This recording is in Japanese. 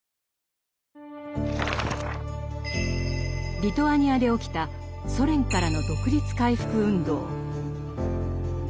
リトアニアで起きたソ連からの独立回復運動。